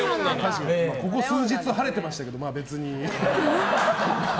ここ数日晴れてましたけど別に。